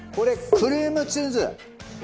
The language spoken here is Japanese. クリームチーズ。